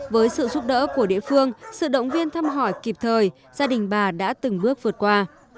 với sự giúp đỡ của địa phương sự động viên thăm hỏi kịp thời gia đình bà đã từng bước vượt qua